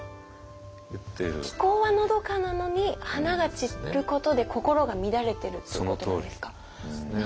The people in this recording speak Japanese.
気候はのどかなのに花が散ることで心が乱れてるってことですか。